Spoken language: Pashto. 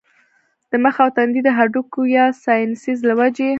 د مخ او تندي د هډوکو يا سائنسز له وجې